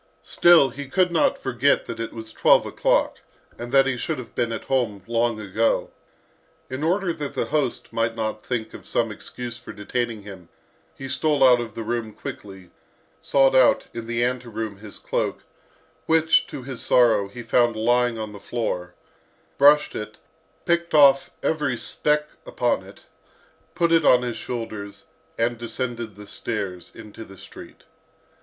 Still, he could not forget that it was twelve o'clock, and that he should have been at home long ago. In order that the host might not think of some excuse for detaining him, he stole out of the room quickly, sought out, in the ante room, his cloak, which, to his sorrow, he found lying on the floor, brushed it, picked off every speck upon it, put it on his shoulders, and descended the stairs to the street.